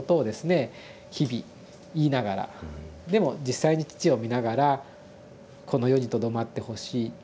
日々言いながらでも実際に父を見ながらこの世にとどまってほしい。